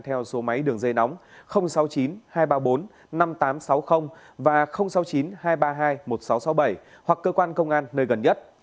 theo số máy đường dây nóng sáu mươi chín hai trăm ba mươi bốn năm nghìn tám trăm sáu mươi và sáu mươi chín hai trăm ba mươi hai một nghìn sáu trăm sáu mươi bảy hoặc cơ quan công an nơi gần nhất